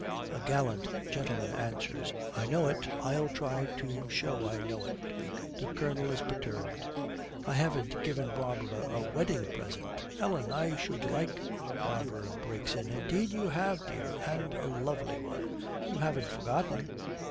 A gallant gentleman answers, 'I know it; I'll try to show I know it.' The Colonel is perturbed. 'I haven't given Barbara a wedding present, Ellen, I should like ' Barbara breaks in, 'Indeed you have, dear, and a lovely one. You haven't forgotten?'